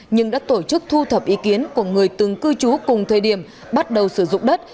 nhưng đã tổ chức thu thập ý kiến của người từng cư trú cùng thời điểm bắt đầu sử dụng đất